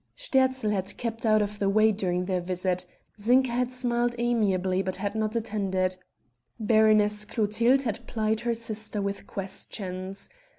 '" Sterzl had kept out of the way during their visit; Zinka had smiled amiably but had not attended: Baroness Clotilde had plied her sister with questions.